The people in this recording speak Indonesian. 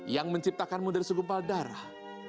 yang menciptakanmu dari segumpal darah